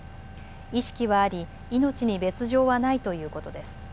意識はあり命に別状はないということです。